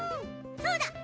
そうだ。